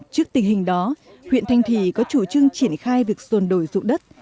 trước tình hình đó huyện thanh thị có chủ trương triển khai việc rồn đổi rụng đất